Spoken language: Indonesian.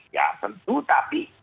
ya tentu tapi